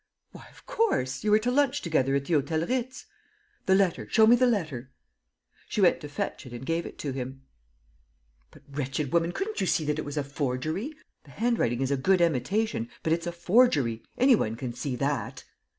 "Why, of course. ... You were to lunch together at the Hôtel Ritz." "The letter. ... Show me the letter." She went to fetch it and gave it to him. "But, wretched woman, couldn't you see that it was a forgery? The handwriting is a good imitation ... but it's a forgery. ... Any one can see that."